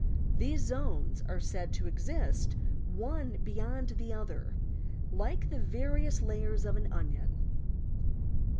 These Zones are said to exist one beyond the other, like the various layers of an onion.